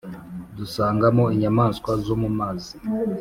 dusangamo inyamaswa zo mu mazi.